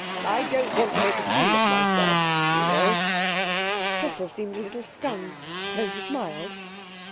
I don't want to make a fool of myself, you know.' Cecil seemed a little stung, though he smiled.